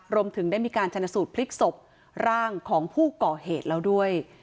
รวมถึงได้มีการชนสูตรพลิกศพร่างของผู้ก่อเหตุแล้วด้วย